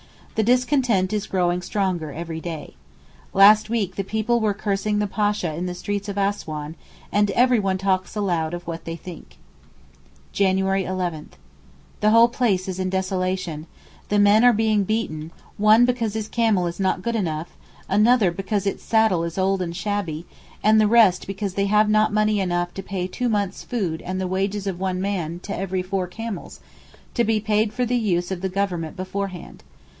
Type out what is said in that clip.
The discontent is growing stronger every day. Last week the people were cursing the Pasha in the streets of Assouan, and every one talks aloud of what they think. January 11.—The whole place is in desolation, the men are being beaten, one because his camel is not good enough, another because its saddle is old and shabby, and the rest because they have not money enough to pay two months' food and the wages of one man, to every four camels, to be paid for the use of the Government beforehand.